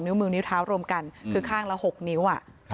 มือนิ้วเท้ารวมกันคือข้างละ๖นิ้ว